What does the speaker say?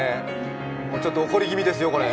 ちょっと怒り気味ですよ、これ。